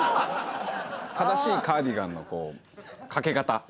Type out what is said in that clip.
正しいカーディガンのかけ方。